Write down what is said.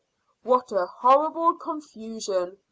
"What a horrible confusion!"